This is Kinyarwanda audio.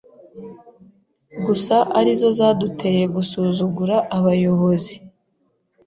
gusa arizo zaduteye gusuzugura abayobozi